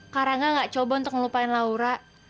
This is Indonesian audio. karena gak coba untuk ngelupain laura